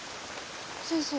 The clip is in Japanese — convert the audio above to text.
先生。